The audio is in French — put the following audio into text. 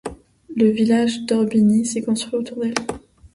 Le village d'Orbigny s'est construit autour d'elle.